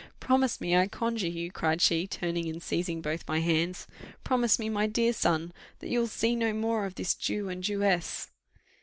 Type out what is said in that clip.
Promise me, I conjure you," cried she, turning and seizing both my hands, "promise me, my dear son, that you will see no more of this Jew and Jewess."